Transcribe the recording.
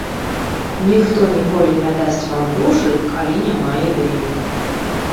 Ніхто ніколі не дасць вам грошы, калі няма ідэі.